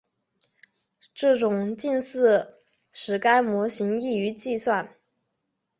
这种近似使该模型易于计算。